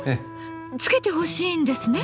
つけてほしいんですね？